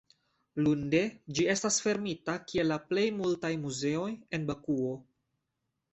Lunde ĝi estas fermita kiel la plej multaj muzeoj en Bakuo.